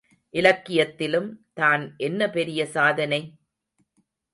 இலக்கியத்திலும் தான் என்ன பெரிய சாதனை?